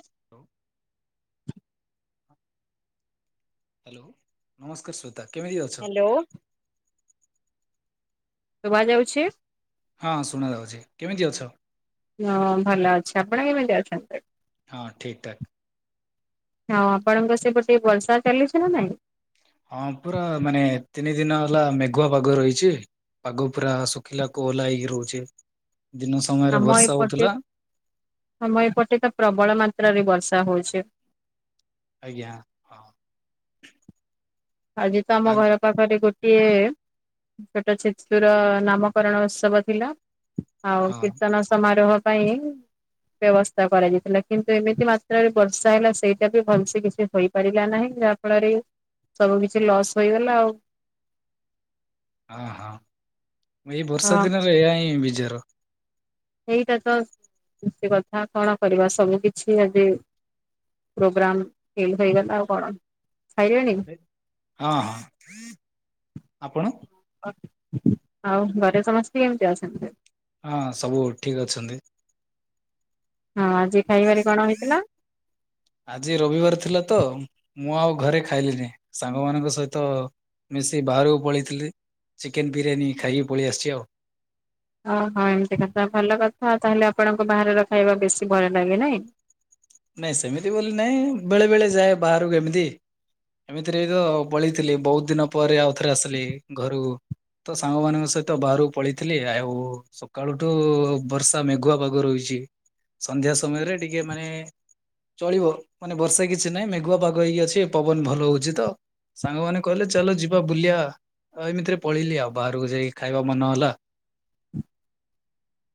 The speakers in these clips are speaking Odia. [inaudible] ହ୍ୟାଲୋ ନମସ୍କାର ଶ୍ଵେତା। କେମିତି ଅଛ? ହ୍ୟାଲୋ ଶୁଭା ଯାଉଛି? ହଁ ଶୁଣା ଯାଉଛି କେମିତି ଅଛ? ହଁ ଭଲ ଅଛି। ଆପଣ କେମିତି ଅଛନ୍ତି? ହଁ ଠିକ୍ ଠାକ। ହଁ ଆପଣଙ୍କ ସେପଟେ ବର୍ଷା ଚାଲିଛି ନା ନାଇଁ? ହଁ ପୁରା ମାନେ ତିନି ଦିନ ହେଲା ମେଘୁଆ ପାଗ ରହିଚି। ପାଗ ପୁରା ଶୁଖିଲା କୋହଲା ହେଇକି ରହୁଚି। ଦିନ ସମୟ ଆମ ଏପଟେ ଆମ ଏପଟେ ତ ପ୍ରବଳ ମାତ୍ରାରେ ବର୍ଷା ହଉଚି। ଆଜ୍ଞା। ହଁ ଆଜି ତ ଆ ଆମ ଘର ପାଖରେ ଗୋଟିଏ ଛୋଟ ଶିଶୁର ନାମକରଣ ଉତ୍ସବ ଥିଲା। ଆଉ ହଁ କୀର୍ତ୍ତନ ସମାରୋହ ପାଇଁ ବ୍ୟବସ୍ଥା କରାଯାଇଥିଲା। କିନ୍ତୁ ଏମିତି ମାତ୍ରାରେ ବର୍ଷା ହେଲା ସେଇଟା ବି ଭଲସେ କିଛି ହୋଇ ପାରିଲା ନାହିଁ। ଯାହାଫଳରେ ସବୁ କିଛି ଲସ୍ ହେଇଗଲା ଆଉ। ଆଁ ହଁ ଏଇ ବର୍ଷା ହଁ ଦିନରେ ଏହା ହିଁ ବିଜାର। ଏଇଟା ତ ଏମିତି କଥା କଣ କରିବା ସବୁ କିଛି ଆଜି ପ୍ରୋଗ୍ରାମ ଫେଲ ହେଇଗଲା ଆଉ କଣ। ଖାଇଲେଣି? ହଁ ହଁ ଆପଣ? ଆଉ ଘରେ ସମସ୍ତେ କେମିତି ଅଛନ୍ତି? ହଁ ସବୁ ଠିକ ଅଛନ୍ତି। ହଁ ଆଜି ଖାଇବାରେ କଣ ହେଇଥିଲା? ଆଜି ରବିବାର ଥିଲା ତ ମୁଁ ଆଉ ଘରେ ଖାଇଲିିନି ସାଙ୍ଗ ମାନଙ୍କ ସହିତ ମିଶି ବାହାରକୁ ପଳେଇଥିଲି ଚିକେନ ବିରିୟାନୀ ଖାଇକି ପଳେଇ ଆସିଚି ଆଉ ଓହୋ ଏମିତି କଥା ଭଲ କଥା ତାହେଲେ ଆପଣଙ୍କୁ ବାହାରର ଖାଇବା ବେଶି ଭଲ ଲାଗେ ନାଇଁ? ନାଇଁ ସେମିତି ବୋଲି ନାଇଁ ବେଳେ ବେଳେ ଯାଏ ବାହାରକୁ ଏମିତି। ଏମିତିରେ ତ ପଳେଇଥିଲି ବହୁତ ଦିନ ପରେ ଆଉ ଥରେ ଆସିଲି ଘରୁକୁ। ତ ସାଙ୍ଗମାନଙ୍କ ସହିତ ବାହାରକୁ ପଳେଇଥିଲି। ଆଉ ସକାଳୁଠୁ ବର୍ଷା ମେଘୁଆ ପାଗ ରହିଚି। ସନ୍ଧ୍ୟା ସମୟରେ ଟିକେ ମାନେ ଚଳିବ ମାନେ ବର୍ଷା କିଛି ନାହିଁ ମେଘୁଆ ପାଗ ହେଇକି ଅଛି ପବନ ଭଲ ହଉଚି ତ। ସାଙ୍ଗମାନେ କହିଲେ ଚାଲ ଯିବା ବୁଲିବା ଏମିତିରେ ପଳେଇିଲି ଆଉ ବାହାରକୁ ଯାଇକି ଖାଇବା ମନ ହେଲା।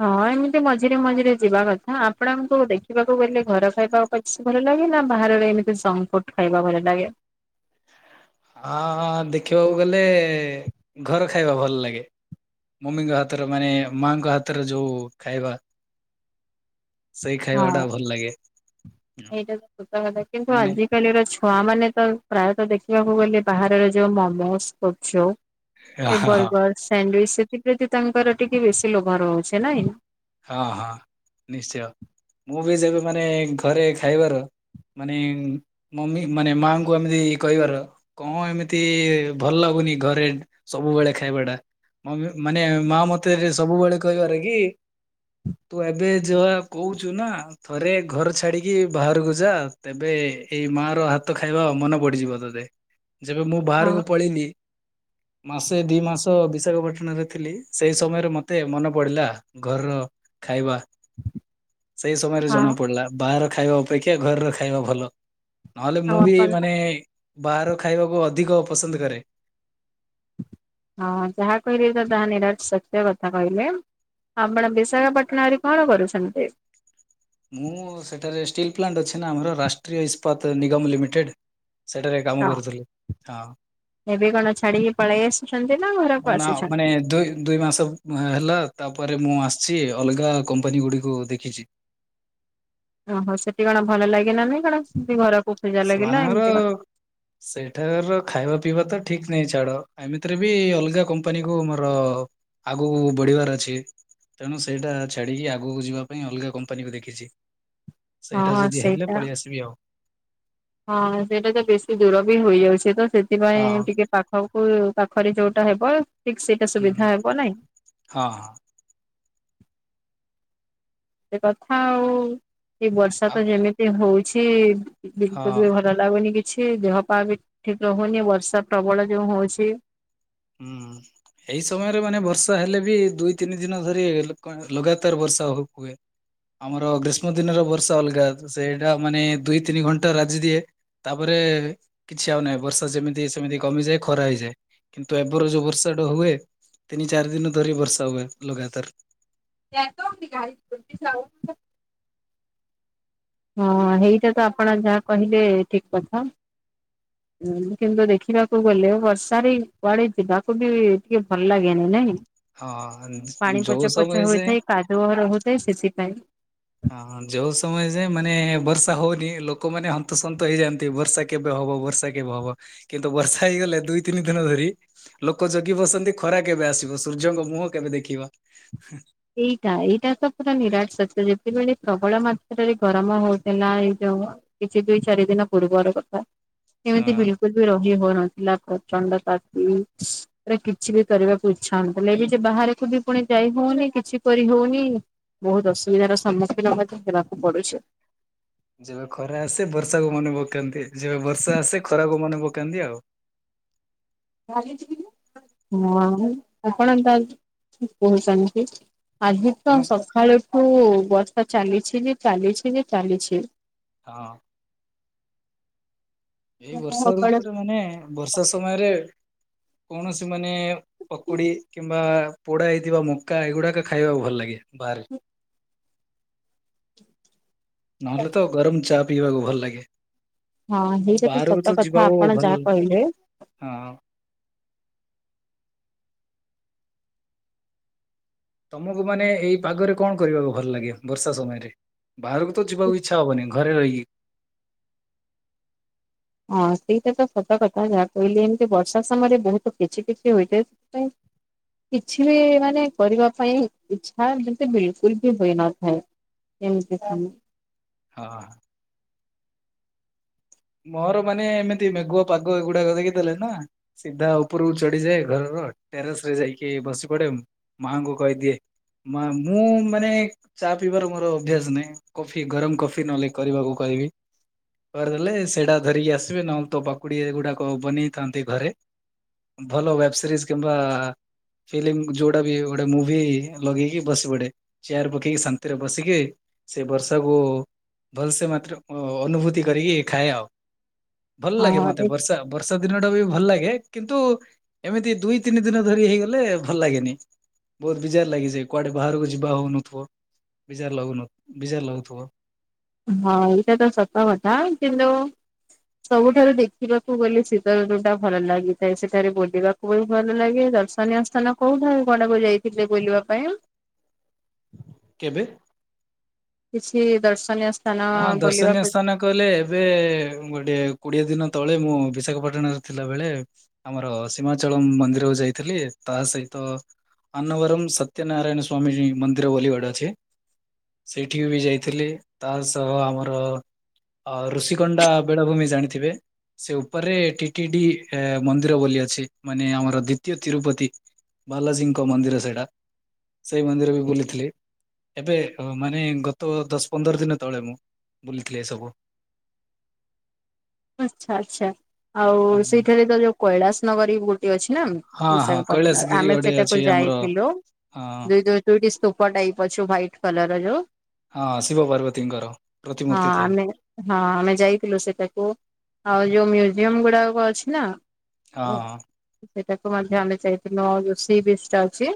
ହଁ ଏମିତି ମଝିରେ ମଝିରେ ଯିବା କଥା ଆପଣଙ୍କୁ ଦେଖିବାକୁ ଗଲେ ଘର ଖାଇବା ବେଶ୍ ଭଲ ଲାଗେ ନା ବାହାର ର ଏମିତି ଜଙ୍କ ଫ୍ରୁଟ ଖାଇବା ଭଲ ଲାଗେ? ଆଁ ଦେଖିବାକୁ ଗଲେ ଘର ଖାଇବା ଭଲ ଲାଗେ। ମମିଙ୍କ ହାତରେ ମାନେ ମାଆଙ୍କ ହାତରେ ଯୋଉ ଖାଇବା। ସେଇ ଖାଇବା ହଁ ଟା ଭଲ ଲାଗେ। ଏଇଟା ତ ସତ କଥା କିନ୍ତୁ ମାନେ ଆଜି କାଲି ର ଛୁଆ ମାନେ ତ ପ୍ରାୟତଃ ଦେଖିବାକୁ ଗଲେ ବାହାରର ଯୋଉ ମୋମୋସ୍, ହଁ ଗୁପଚୁପ୍ ଏ ହଁ ବର୍ଗର, ସାଣ୍ଡୟୁଚ୍ ସେଥିପ୍ରତି ତାଙ୍କର ଟିକେ ବେଶୀ ଲୋଭ ରହୁଚି ନାଇଁ? ଅଁ ହଁ ନିଶ୍ଚୟ ମୁଁ ବି ଯେବେ ମାନେ ଘରେ ଖାଇବାର ମାନେ ମମି ମାନେ ମାଆଙ୍କୁ ଏମିତି କହିବାର କଣ ଏମିତି ଭଲ ଲାଗୁନି ଘରେ ସବୁବେଳେ ଖାଇବା ଟା। ମମି ମାନେ ମାଆ ମତେ ସବୁବେଳେ କହିବାରେ କି ତୁ ଏବେ ଯୋଉ ଆ କହୁଚୁ ନା ଥରେ ଘର ଛାଡିକି ବାହାରକୁ ଯା ତେବେ ଏଇ ମାଆ ର ହାତ ଖାଇବା ମନ ପଡିଯିବ ତତେ। ଯେବେ ମୁଁ ହଁ ବାହାରକୁ ପଳେଇଲି। ମାସେ ଦିଇ ମାସ ବିଶାଖାପାଟଣାରେ ଥିଲି ସେଇ ସମୟରେ ମତେ ମନେ ପଡ଼ିଲା। ଘରର ଖାଇବା ସେଇ ସମୟରେ ହଁ ଜଣା ପଡିଲା। ବାହାର ଖାଇବା ଅପେକ୍ଷା ଘରର ଖାଇବା ଭଲ ନହେଲେ ଆଉ ମୁଁ ବି ଆପଣ ମାନେ ବାହାର ଖାଇବାକୁ ଅଧିକ ପସନ୍ଦ କରେ। ହଁ ଯାହା କହିଲେ ତ ତାହା ନିରାଟ୍ ସତ୍ୟ କଥା କହିଲେ। ଆପଣ ବିଶାଖାପାଟଣା ରେ କଣ କରୁଛନ୍ତି? ମୁଁ ସେଠାରେ ଷ୍ଟିଲ୍ ପ୍ଲାଣ୍ଟ ଅଛି ନା ଆମର ରାଷ୍ଟ୍ରୀୟ ଇସ୍ପାତ ନିଗମ ଲିମିଟେଡ଼୍। ସେଠାରେ କାମ ହଁ କରୁଥିଲୁ ହଁ। ଏବେ କଣ ଛାଡିକି ପଳେଇ ଆସିଛନ୍ତି ନା ଘରକୁ ନା ମାନେ ଆସିଛନ୍ତି? ଦୁଇ ଦୁଇ ମାସ ହେଲା ତାପରେ ମୁଁ ଆସଛି ଅଲଗା କମ୍ପାନୀ ଗୁଡ଼ିକୁ ଦେଖିଚି। ଓହୋ ସେଟି କଣ ଭଲ ଲାଗିଲାନି କଣ? ଏମିତି ଘରକୁ ଖୋଜା ଲାଗିଲା ସେମାନଙ୍କର ଏମତି କଣ? ସେଠାର ଖାଇବା ପିଇବା ତ ଠିକ୍ ନାହିଁ ଛାଡ। ଏମିତିରେ ବି ଅଲଗା କମ୍ପାନୀକୁୁ ମୋର ଆଗକୁ ବଢିବାର ଅଛି। ତେଣୁ ସେଇଟା ଛାଡ଼ିକି ଆଗକୁ ଯିବା ପାଇଁ ଅଲଗା କମ୍ପାନୀକୁ ଦେଖିଛି। ସେଇଟା ହଁ ଯଦି ହେଲେ ସେଇଟା ପଳେଇ ଆସିବି ଆଉ। ହଁ ସେଇଟା ତ ବେଶୀ ଦୂର ବି ହୋଇଯାଉଛି, ତ ସେଥିପାଇଁ ହଁ ଟିକେ ପାଖ୍ ହଉ କୁଲ୍ ପାଖରେ ଯୋଉଟା ହେବ ଠିକ ସେ ଉଁ ହୁଁ ହଁ ହ। ସେ କଥା ଆଉ, ଏ ବର୍ଷା ଆଉ ତ ଯେମିତି ହଉଛି ବିଲକୁଲ୍ ବି ହଁ ଭଲ ଲାଗୁନି କିଛି ଦେହ ପା ବି ଠିକ୍ ରହୁନି, ବର୍ଷା ପ୍ରବଳ ଯୋଉ ହଉଛି। ହୁଁ। ଏଇ ସମୟରେ ମାନେ ବର୍ଷା ହେଲେ ବି, ଦୁଇ ତିନି ଦିନ ଧରି ଲଗାତାର ବର୍ଷା ହବ୍ ହୁଏ। ଆମର ଗ୍ରୀଷ୍ମ ଦିନର ବର୍ଷା ଅଲଗା ସେଇଟା ମାନେ ଦୁଇ ତିନି ଘଣ୍ଟା ରାଜି ଦିଏ। ତାପରେ କିଛି ଆଉ ନାହିଁ, ବର୍ଷା ଯେମିତି ସେମିତି କମିଯାଏ ଖରା ହେଇଯାଏ। କିନ୍ତୁ ଏବେର ଯୋଉ ବର୍ଷାଟା ହୁଏ, ତିନି ଚାରି ଦିନ ଧରି ବର୍ଷା ହୁଏ ଲଗାତାର। [unintelligible] ହଁ ହେଇଟାତ ଆପଣ ଯାହା କହିଲେ ଠିକ କଥା। [inaudible] ଉୁଁ କିନ୍ତୁ ଦେଖିବାକୁ ଗଲେ ବର୍ଷାରେ କୁଆଡେ ଯିବାକୁବି ଟିକେ ଭଲ ଲାଗେନି ନାଇଁକି। ହଁ ପାଣି ଯୋଉ ପଚ ସମୟ ପଚ ଯାଏଁ ହୋଇଥାଏ କାଦୁଅ ରହୁଥାଏ ସେଥିପାଇଁ। ହଁ ଯୋଉ ସମୟ ଯାଏଁ ମାନେ ବର୍ଷା ହଉନି ଲୋକମାନେ ହନ୍ତସନ୍ତ ହେଇଯାଆନ୍ତି ବର୍ଷା କେବେ ହବ ବର୍ଷା କେବେ ହବ, କିନ୍ତୁ ବର୍ଷା ହେଇଗଲେ ଦୁଇ ତିନି ଦିନ ଧରି ଲୋକ ଜଗି ବସନ୍ତି ଖରା କେବେ ଆସିବ, ସୂର୍ଯ୍ୟଙ୍କ ମୁହଁ କେବେ ଦେଖିବା। ଏଇଟା ଏଇଟାତ ପୁରା ନିରାଟ ସତ, ଯେତେବେଳେ ପ୍ରବଳ ମାତ୍ରାରେ ଗରମ ହଉଥିଲା ଏଇ ଯୋଉ କିଛି ଦୁଇ ଚାରି ଦିନ ପୂର୍ବର କଥା କେମିତି ହଁ ବିଲ ବି ରହି ହଉନଥିଲା ପ୍ରଚଣ୍ଡତାତି। ର କିଛି ବି କରିବାକୁ ଇଚ୍ଛା ହୋଉଉନି ହେଲେବି ଯେ ବାହାରକୁ ବି ପୁଣି ଯାଇ ହୋଉନି କ। କିଛି କରି ହୋଉନି ବହୁତ ଅସୁବିଧାର ସମ୍ମୁଖୀନ ମଧ୍ୟ ହେବାକୁ ପଡୁଛି। ଯେବେ ଖରା ଆସେ ବର୍ଷାକୁ ମନେ ପକାନ୍ତି ଯେବେ ବର୍ଷା ଆସେ ଖରାକୁ ମନେ ପକାନ୍ତି ଆଉ। ହଁ ଆପଣ କାଇଁ କହୁଚନ୍ତି। ଆଜି ତ କଣ ସକାଳଠୁ ବର୍ଷା ଚାଲିଛି ଯେ ଚାଲିଛି ଯେ ଚାଲିଛି। ହଁ। ଏଇ ବର୍ଷା ସକାଳ ଋତୁରେ ମାନେ ବର୍ଷା ସମୟରେ କୌଣସି ମାନେ ପକୁଡି କିମ୍ବା ପୋଡା ହେଇଥିବା ମକା ଏଗୁଡାକ ଖାଇବାକୁ ଭଲ ଲାଗେ ବାହାରେ। ନହେଲେ ତ ଗରମ ଚା ପିଇବାକୁ ଭଲ ଲାଗେ। ହଁ ଆଉ ହେଇଟା ତ ବାହାରକୁ ସତ କଥା ଯିବାକୁ ଆପଣ ଭଲ ଯାହା କହିଲେ। ହଁ। ତମକୁ ମାନେ ଏଇ ପାଗରେ କଣ କରିବାକୁ ଭଲ ଲାଗେ? ବର୍ଷା ସମୟରେ ବାହାରକୁ ତ ଯିବାକୁ ଇଚ୍ଛା ହବନି। ଘରେ ରହିକି ହଁ ସେଇଟାତ ସତକଥା ଯାହା କହିଲି ଏମିତି ବର୍ଷା ସମୟରେ ବହୁତ କିଛିି କିଛି ହୋଇଥାଏ। ପାଇଁ କିଛିବି ମାନେ କରିବା ପାଇଁ ଇଛା, ଯେମିତି ବିଲକୁଲବି ହୋଇନଥାଏ। ଏମିତି କହୁ। ହଁ। ମୋର ମାନେ ଏମିତି ମେଘୁଆ ପାଗ ଏଗୁଡାକ ଦେଖି ଦେଲେ ନା ସିଧା ଉପରକୁ ଚଢ଼ିଯାଏ ଘରର ଟେରେସରେ ଯାଇକି ବସି ପଡେ ମାଙ୍କୁ କହିଦିଏ ମା ମୁଁ ମାନେ ଚା ପିଇବାର ମୋର ଅଭ୍ୟାସ ନାଇଁ। କଫି ଗରମ କଫି ନହଲେ କରିବାକୁ କହିବି କରିଦେଲେ। ସେଟା ଧରିକି ଆସିବେ ନହେଲେ ତ ପାକୁଡି ଗୁଡାକ ବନେଇଥାନ୍ତି ଘରେ। ଭଲ ୱେବ ସିରିଜ କିମ୍ବା। ଫିଲ୍ମ ଯୋଉଟା ବି ଗୋଟେ ମୁଭି ଲଗେଇକି ବସି ପଡେ। ଚେୟାର୍ ପକେଇକି ଶାନ୍ତିରେ ବସିକି ସେ ବର୍ଷାକୁ ଭଲସେ ମାତ୍ର ଅନୁଭୂତି କରିକି ଖାଏ ଆଉ ଭଲ୍ ଲାଗେ ମତେ ହଁ ବର୍ଷା ଆଉ ବର୍ଷା ଦିନ ଟା ବି ଭଲ ଲାଗେ କିନ୍ତୁ ଏମିତି ଦୁଇ ତିନି ଦିନ ଧରି ହେଇଗଲେ ଭଲ ଲାଗେନି। ବହୁତ ବିଜାର ଲାଗିଚି କୁଆଡେ ବାହାରକୁ ଯିବା ହଉନିଥିବ ବିଜାର ଲାଗୁନ ବିଜାର ଲାଗୁଥିବ। ହଁ ଏଇଟା ତ ସତ କଥା। କିନ୍ତୁ ସବୁଠାରୁ ଦେଖିବାକୁ ଗଲେ ଶୀତ ଋତୁ ଟା ଭଲ ଲାଗିଥାଏ। ସେଠାରେ ବୁଲିବାକ ବହୁତ୍ ଭଲ ଲାଗେ। ଦର୍ଶନୀୟ ସ୍ଥାନ କୋଉ କୋଉ କଡକୁ ଯାଇଥିଲେ ବୁଲିବା ପାଇଁ? କେବେ? କିଛି ଦର୍ଶନୀୟ ସ୍ଥାନ ବୁଲିବାକୁ କଅଲେ ଏବେ ଗୋଟେ କୋଡିଏ ଦିନ ତଳେ ମୁଁ ବିଶାଖାପାଟଣା ରେ ଥିଲା ବେଳେ ଆମର ସୀମାଚଳଂ ମନ୍ଦିରକୁ ଯାଇଥିଲି। ତା ସହିତ ଆନବରମ୍ ସତ୍ୟ ନାରାୟଣ ସ୍ବାମୀଜୀ ମନ୍ଦିର ୱଲି ଗୋଡ଼େ ଅଛି। ସେଇଠି ବି ଯାଇଥିଲି। ତା ସହ ଆମର ଅ ଋଷିକଣ୍ଡା ବେଳାଭୂମି ଜାଣିଥିବେ? ସେ ଉପରେ ଟିଟି ଡି ଏଁ ମନ୍ଦିର ବୋଲି ଅଛି ମାନେ ଆମର ଦ୍ଵିତୀୟ ତିରୁପତି। ବାଲାଜୀଙ୍କ ମନ୍ଦିର ସେଇଟା। ସେଇ ମନ୍ଦିର ବି ବୁଲିଥିଲି ଏବେ ମାନେ ଗତ ଦଶ ପନ୍ଦର ଦିନ ତଳେ ମୁଁ ବୁଲିଥିଲି ଏ ସବୁ। ଆଚ୍ଛା ଆଚ୍ଛା ଆଉ ସେଇଠାରେ ତ ଯୋଉ କୈଳାସ ନଗରୀ ଗୋଟେ ଅଛି ନା। ହଁ ହଁ ବିଶାଖାପଟନା କୈଳାସ ଗିରି ଆମେ ଗୋଟେ ଅଛି ସେଟାକୁ ଆମର ଯାଇଥିଲୁ ହଁ ଦୁଇ ଦୁଇ ଦୁଇଟି ସ୍ତୁପ ଟାଇପ୍ ଅଛୁ ହ୍ୱାଇଟ୍ କଲର୍ ର ଯୋଉ। ହଁ ଶିବ ପାର୍ବତୀଙ୍କର ହଁ ପ୍ରତିମୂର୍ତ୍ତି ଥାଏ। ଆମେ ହଁ ଆମେ ଯାଇଥିଲୁ ସେଟାକୁ, ଆଉ ଯୋଉ ମ୍ୟୁଜିୟମ ଗୁଡାକ ଅଛି ନା ହଁ ସେଇଟାକୁ ମଧ୍ୟ ଆମେ ଯାଇଥିଲୁ, ଯୋଉ ସି ବିଚ୍ ଟା ଅଛି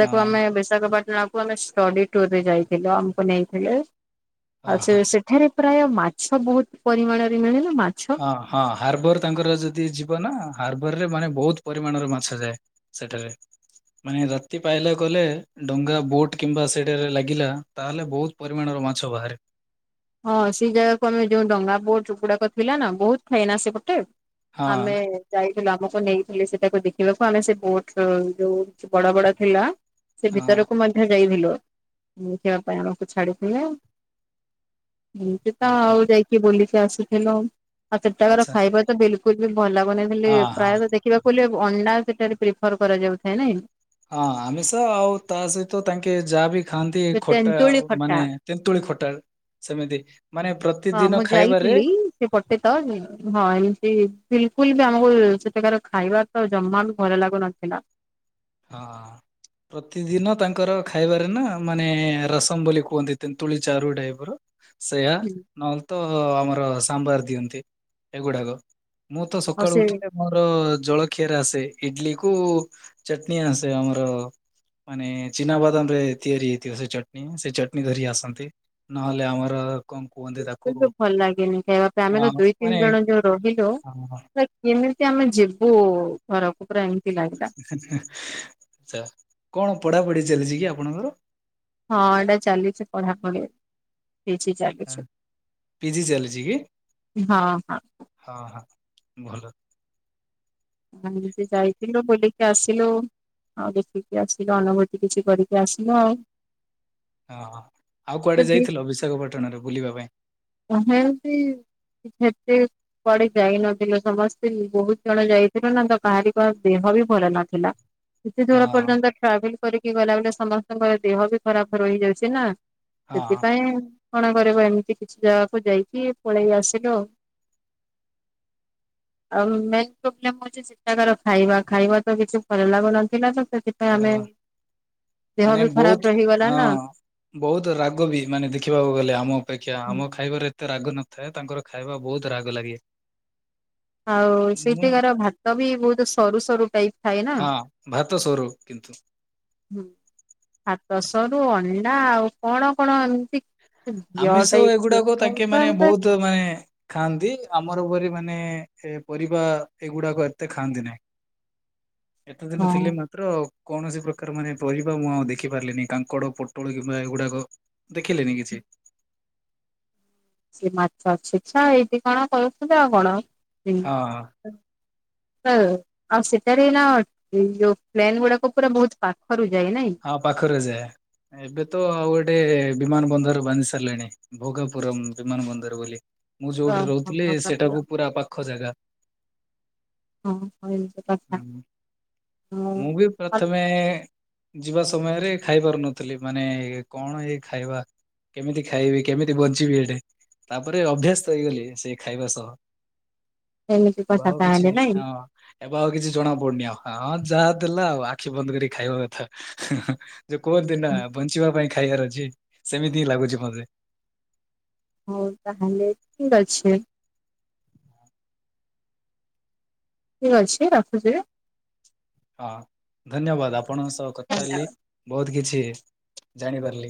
ହଁ ଆମେ ବିଶାଖାପାଟନା କୁ ଆମେ ଷ୍ଟଡି ଟୁର୍ ରେ ଯାଇଥିଲୁ, ଆମକୁ ନେଇଥିଲେ ଆଉ ହଁ ସେ ହଁ। ସେ ଏଠାରେ ପ୍ରାୟ ମାଛ ବହୁତ ପରିମାଣରେ ମିଳିଲେ ନା ହଁ- ହଁ ହାର୍ବର ତାଙ୍କର ଯଦି ଯିବ ନା, ହାର୍ବର ରେ ମାନେ ବହୁତ ପରିମାଣର ମାଛ ଯାଏ। ସେଠାରେ ମାନେ ରାତି ପାଇଲା କଲେ, ଡଙ୍ଗା ବୋଟ କିମ୍ବା ସେଠାରେ ଲାଗିଲା ତାହେଲେ ବହୁତ ପରିମାଣର ମାଛ ବାହାରେ। ହଁ ସେ ଜାଗାକୁ ଆମେ ଯୋଉ, ଡଙ୍ଗା ବୋଟ ଗୁଡାକ ଥିଲା ନା ବହୁତ ଥାଏ ନା ସେପଟେ। ହଁ ଆମେ ଯାଇଥିଲେ ଆମକୁ ନେଇଥିଲେ, ସେଟାକୁ ଦେଖିବାକୁ ଆମେ ସେ ବୋଟ ଯୋଉ ବଡ ବଡ ଥିଲା। ସେ ହଁ। ଭିତରକୁ ମଧ୍ୟ ଯାଇଥିଲୁ, ଦେଖିବା ପାଇଁ ଆମକୁ ଛାଡିଥିଲେ। ଏମିତି ତ ହଁ ହଁ ଆଉ ଯାଇକି ବୁଲିକି ଆସିଥିଲୁ। ଆଉ ସେଠାକାର ଆଚ୍ଛା ଖାଇବା ବିଲକୁଲ ବି ଭଲ ବନେଇଥିଲି, ହଁ ହଁ। ପ୍ରାୟତଃ ଦେଖିବାକୁ ଗଲେ ଅଣ୍ଡା ସେଠାରେ ପ୍ରିଫର କରାଯାଉଥାଏ ନାଇଁ। ହଁ ଆମିଷ ଆଉ ତା ସହିତ ତାଙ୍କେ ଯାହା ବି ଖାଆନ୍ତି ଯେ ଖଟା ତେନ୍ତୁଳି ଖଟା ମାନେ ତେନ୍ତୁଳି ଖଟା ସେମିତି ମାନେ ପ୍ର ହଁ- ମୁଁ ଯାଇଥିଲି ସେ ପଟେ ତ ହଁ ଏମିତି ବିଲକୁଲ ବି, ଆମକୁ ସେଠାକାର ଖାଇବା ତ ଜମା ବି ଭଲ ଲାଗୁନଥିଲା। ହଁ। ପ୍ରତିଦିନ ତାଙ୍କର ଖାଇବାରେ ନା, ମାନେ ରସମ ବୋଲି କୁହନ୍ତି ତେନ୍ତୁଳି ଚାରୁ ଟାଇପର। ସେୟା, ନହେଲେ ତ ଆମର ସାମ୍ବାର ଦିଅନ୍ତି ଏଗୁଡାକ। ମୁଁ ତ ଆଉ ସକାଳୁ ସେ ଉଠିଲେ ମୋର ଜଳଖିଆରେ ଆସେ, ଇଡଲିକୁ ଚଟଣି ଆସେ ଆମର ମାନେ ଚିନାବାଦାମ ରେ ତିଆରି ହେଇଥିବ ସେ ଚଟଣି, ସେ ଚଟଣି ଧରି ଆସନ୍ତି। ନହେଲେ ଆମର କଣ କୁହନ୍ତି ତା କିନ୍ତୁ ଭଲ ଲାଗେନି ଖାଇବା ପାଇଁ, ଆମେ ତ ଦୁଇ ତିନି ମାନେ ଜଣ ଯୋଉ ରହିଲୁ। କେମିତି ଆମେ ଯିବୁ ଘରକୁ, ପୁରା ଏମିତି ଲାଗିଲା। ଆଛା କଣ ପଢାପଢି ଚାଲିଛି କି ଆପଣଙ୍କର? ହଁ ଏଇନା ଚାଲିଛି ପଢାପଢି। [unintelligible] ପିଜି ଚାଲିଛି କି ହଁ ହଁ। ହଁ- ହଁ ଭଲ। ଆମେ ଏମିତି ଯାଇଥିଲୁ ବୁଲିକି ଆସିଲୁ। ଆଉ ଦେଖିକି ଆସିଲୁ, ଅନୁଭୂତି କିଛି କରିକି ଆସିଲୁ ଆଉ। ଓ ହୋ ଆଉ କୁଆଡେ ସେଠି ଯାଇଥିଲ, ବିଶାଖାପାଟନାରୁ ବୁଲିବା ପାଇଁ। [unintelligible] ସେତେ କୁଆଡେ ଯାଇନଥିଲେ, ସମସ୍ତେ ବହୁତ ଜଣ ଯାଇ [unintelligible] କାହାରିଙ୍କ ଦେହ ବି ଭଲ ନଥିଲା, କେତେ ଦୂର ହଁ ପର୍ଯ୍ୟନ୍ତ ଟ୍ରାଭେଲ କରିକି ଗଲା ବେଲେ, ସମସ୍ତଙ୍କର ଦେହ ବି ଖରାପ ରହିଯାଉଛି ନା ହଁ ସେଥିପାଇଁ। କଣ କରିବୁ, ଏମିତି କିଛି ଜାଗାକୁ ଯାଇକି ପଳେଇ ଆସିଲୁ ଆଉ। ଆଉ ମେନ ପ୍ରୋବେଲମ ହଉଛି ଯେ ସେଠାକାର ଖାଇବା, ଖାଇବା ତ କିଛି ଭଲ ଲାଗୁନଥିଲା ତ ସେଥିପାଇଁ ଆମେ ଖାଇବା ଦେହ ମାନେ ବି ବହୁତ ଖରାପ ହେଇଗଲା ହଁ ନା। ବହୁତ ରାଗ ବି, ମାନେ ଦେଖିବାକୁ ଗଲେ ଆମ ଅପେକ୍ଷା। ଆମ ଖାଇବାରେ ଏତେ ରାଗ ନଥାଏ, ତାଙ୍କର ଖାଇବା ବହୁତ ରାଗ ଲାଗେ। ଆଉ ମୁଁ ସେଇଠିକାର ଭାତ ବି ବହୁତ ସରୁ ସରୁ ଟାଇପ ଥାଏ ନା। ହଁ ଭାତ ସରୁ କିନ୍ତୁ ହୁଁ ଭାତ ସରୁ, ଅଣ୍ଡା ଆଉ କଣ କଣ ଏମିତି ଯ ଟାଇପ [unintelligible] ତ ମାଏ ଖାଆନ୍ତି ଆମର ଉପରେ ମାନେ ଏ ପରିବା ଏଇଗୁଡାକ ଏତେ ଖାଆନ୍ତି ନାହିଁ। ଏତେ ଦିନ ହଁ। ଥିଲେ ନା। କୌଣସି ପ୍ରକାର ମାନେ ପରିବା ମୁଁ ଆଉ ଦେଖି ପାରିଲିନି କାଙ୍କଡ, ପୋଟଳ କିମ୍ବା ଏଗୁଡାକ। ଦେଖିଲିନି କିଛି। ମାଛ ଛେଛା ଏଇଠି କଣ କରୁଥିଲେ ଆଉ କଣ? ହଁ। [inaudible] ଆଉ ସେଠାରେ ନା ଯୋଉ ପ୍ଲେନ୍ ଗୁଡାକ ପୁରା ବହୁତ ପାଖରୁ ଯାଏ ନାଇଁ। ହଁ ପାଖରେ ଯାଏ। ଏବେ ତ ଆଉ ଗୋଟେ ବିମାନ ବନ୍ଦର ବାନ୍ଧି ସାରିଲେଣି ଭୋଗାପୁରମ୍ ବିମାନ ବନ୍ଦର ବୋଲି। ମୁଁ ହଁ ଯୋଉଠି ରହୁଥିଲି ସେଇଟାକୁ ପୁରା ପାଖ ଜାଗା। ଏମିତି [inaudible] କଥା ମୁଁ ବି ପ୍ରଥମେ ଯିବା ସମୟରେ ଖାଇ ପାରୁନଥିଲି ମାନେ କଣ ଏଇ ଖାଇବା କେମିତି ଖାଇବି କେମିତି ବଞ୍ଚିବି ଏଠି। ତାପରେ ଅଭ୍ୟାସ ହେଇଗଲି ସେ ଖାଇବା ସହ। ଏମିତି ଏବେ କଥା ଆଉ କିଛି ତାହଲେ ନାଇ। ହଁ ଏବେ ଆଉ କିଛି ଜଣା ପଡୁନି ଆଉ ହଁ ଯାହା ଦେଲା ଆଉ ଆଖି ବନ୍ଦ କରି ଖାଇବା କଥା। ଯେ କୁହନ୍ତି ନା ବଞ୍ଚିବା ପାଇଁ ଖାଇବାର ଅଛି ସେମିତି ହିଁ ଲାଗୁଛି ମତେ। ହଉ ତାହେଲେ ଠିକ ଅଛି। ଠିକ ଅଛି ରଖୁଛି। ହଁ ଧନ୍ୟବାଦ ଆପଣଙ୍କ ସହ କଥା ହେଲି ବହୁତ କିଛି ଜାଣିପାରିଲି।